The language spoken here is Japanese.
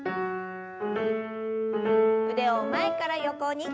腕を前から横に。